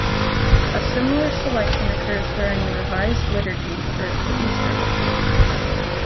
A similar selection occurs during the revised liturgy for the Easter Vigil.